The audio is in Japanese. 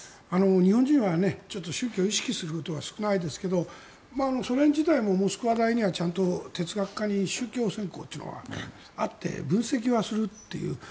日本人は宗教を意識することは少ないですがソ連時代もモスクワ大には哲学科に宗教専攻というのがあって分析はするという。